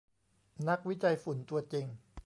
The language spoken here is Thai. นักวิจัยฝุ่นตัวจริง